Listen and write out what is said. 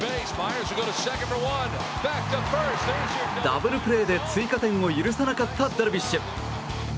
ダブルプレーで追加点を許さなかったダルビッシュ。